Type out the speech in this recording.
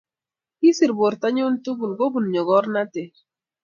Kisir portonyu tugul kobun nyogornatet.